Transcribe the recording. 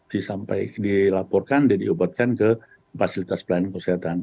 disampai dilaporkan dia diobatkan ke fasilitas pelayanan kesehatan